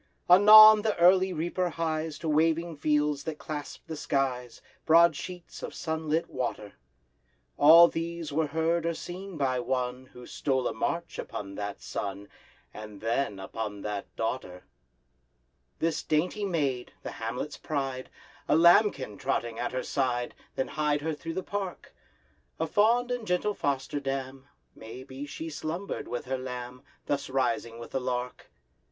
Anon the early reaper hies To waving fields that clasp the skies, Broad sheets of sunlit water. All these were heard or seen by one Who stole a march upon that sun, And then—upon that Daughter! This dainty maid, the hamlet's pride, A lambkin trotting at her side, Then hied her through the park; A fond and gentle foster dam— May be she slumbered with her lamb, Thus rising with the lark!